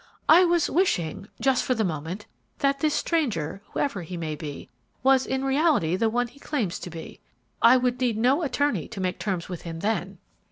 "I was wishing, just for the moment, that this stranger, whoever he may be, was in reality the one he claims to be. I would need no attorney to make terms with him then!"